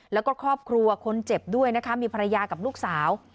แล้วก็ครอบครัวคนเจ็บด้วยนะคะมีภรรยากับลูกสาว